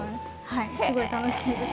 はいすごい楽しいです。